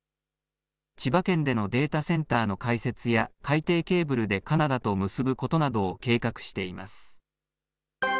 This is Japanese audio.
千葉県でのデータセンターの開設や海底ケーブルでカナダと結ぶことなどを計画しています。